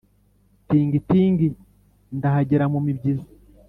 Tingi-tingi ndahagera mumibyizi